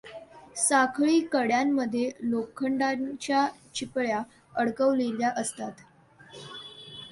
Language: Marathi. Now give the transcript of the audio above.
साखळी कड्यांमध्ये लोखंडाच्या चिपळ्या अडकवलेल्या असतात.